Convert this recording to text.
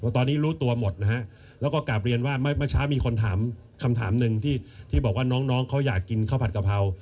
ตอนนี้รู้ตัวหมดนะฮะแล้วก็กลับเรียนว่าเมื่อเช้ามีคนถามคำถามหนึ่งที่บอกว่าน้องเขาอยากกินข้าวผัดกะเพรา